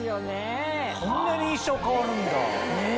こんなに印象変わるんだ。ねぇ。